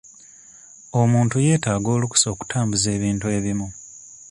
Omuntu yeetaaga olukusa okutambuza ebintu ebimu.